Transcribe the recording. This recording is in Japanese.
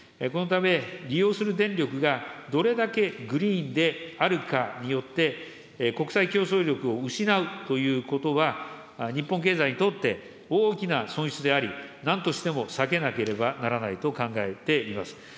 このため、利用する電力がどれだけグリーンであるかによって、国際競争力を失うということは、日本経済にとって大きな損失であり、なんとしても避けなければならないと考えています。